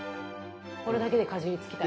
これだけでかじりつきたい。